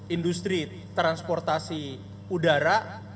industri transportasi udara